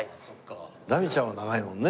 ラミちゃんは長いもんね。